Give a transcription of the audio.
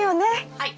はい。